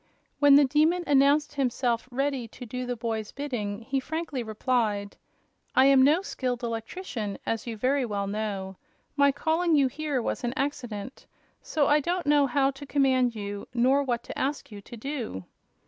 When the Demon announced himself ready to do the boy's bidding, he frankly replied: "I am no skilled electrician, as you very well know. My calling you here was an accident. So I don't know how to command you, nor what to ask you to do."